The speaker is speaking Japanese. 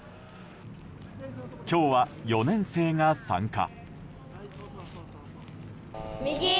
今日は４年生が参加。